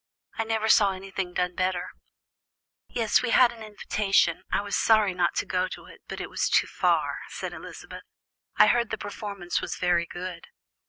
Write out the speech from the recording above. I never saw anything better done." "Yes, we had an invitation; I was sorry not to go to it, but it is too far," said Elizabeth. "I heard the performance was very good."